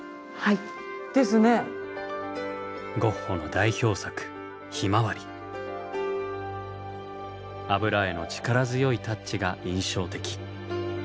ゴッホの代表作油絵の力強いタッチが印象的。